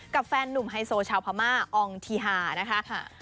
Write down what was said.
กับแฟนหนุ่มไฮโซเช้าพรรมาอองธิฮานะคะ